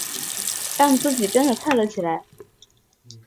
让自己真的快乐起来